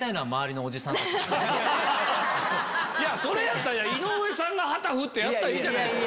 それやったら井上さんが旗振ってやったらいいじゃないですか。